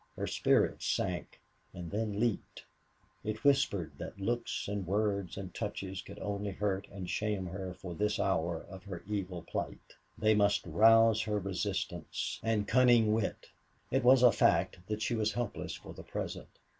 Her spirit sank, and then leaped. It whispered that looks and words and touches could only hurt and shame her for this hour of her evil plight. They must rouse her resistance and cunning wit. It was a fact that she was helpless for the present.